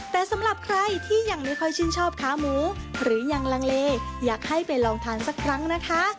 แต่สำหรับใครที่ยังไม่ค่อยชื่นชอบขาหมูหรือยังลังเลอยากให้ไปลองทานสักครั้งนะคะ